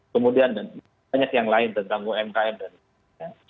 kemudian banyak yang lain tentang umkm dan lain lain